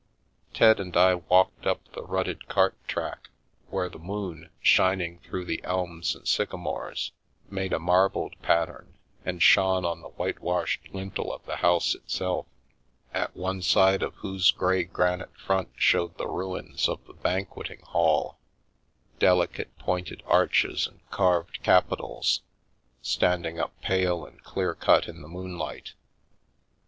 Ted and I walked up the rutted cart track, where the moon, shining through the elms and sycamores, made a marbled pattern, and shone on the white washed lintel of the house itself, at one side of whose grey granite front showed the ruins of the banqueting hall, delicate pointed arches and carved capitals standing up pale and clear cut in the moonlight.